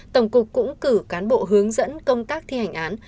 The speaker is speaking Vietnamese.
tổng cục cũng cử cán bộ hướng dẫn công tác thi hành án